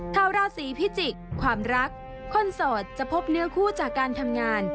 ชาวราศีพิจิกษ์ความรักคนโสดจะพบเนื้อคู่จากการทำงาน